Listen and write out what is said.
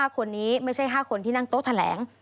๕คนนี้ไม่ใช่๕คนที่นั่งโต๊ะแถลง